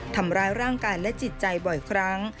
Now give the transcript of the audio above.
ทำร้ายร่างกายและจิตใจบ่อยครั้ง